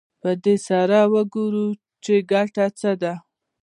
په دې سره ګورو چې ګټه څه ده